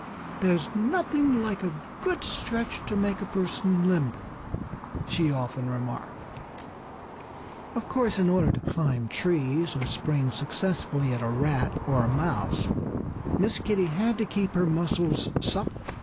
"There's nothing like a good stretch to make a person limber," she often remarked. Of course, in order to climb trees, or spring successfully at a rat or a mouse, Miss Kitty had to keep her muscles supple.